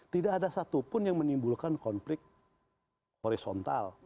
tidak ada satupun yang menimbulkan konflik horizontal